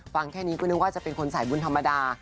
แค่นี้ก็นึกว่าจะเป็นคนสายบุญธรรมดา